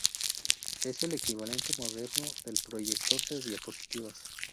Es el equivalente moderno del proyector de diapositivas.